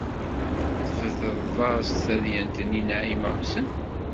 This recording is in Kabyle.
Tbedred-as-d tadyant-nni i Naɛima u Ḥsen.